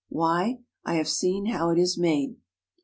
Why? I have seen how it is made.